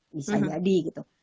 bisa jadi gitu